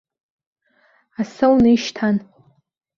Асы ауны ишьҭан.